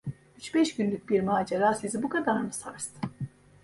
Üç beş günlük bir macera sizi bu kadar mı sarstı?